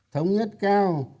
thống nhất cao